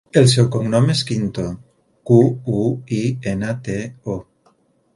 El seu cognom és Quinto: cu, u, i, ena, te, o.